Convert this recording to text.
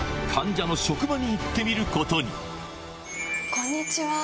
こんにちは。